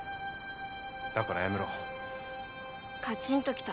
だからやめろかちんときた。